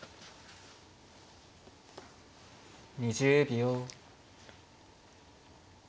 ２０秒。